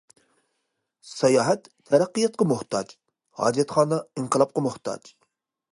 ساياھەت تەرەققىياتقا موھتاج، ھاجەتخانا ئىنقىلابقا موھتاج.